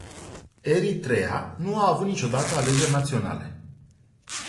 Eritreea nu a avut niciodată alegeri naționale.